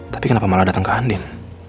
tapi kenapa malah datang ke andil